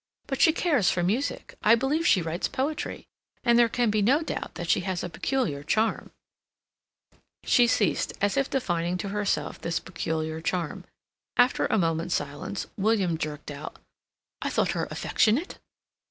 But she cares for music; I believe she writes poetry; and there can be no doubt that she has a peculiar charm—" She ceased, as if defining to herself this peculiar charm. After a moment's silence William jerked out: "I thought her affectionate?"